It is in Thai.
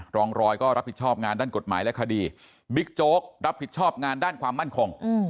รองรอยก็รับผิดชอบงานด้านกฎหมายและคดีบิ๊กโจ๊กรับผิดชอบงานด้านความมั่นคง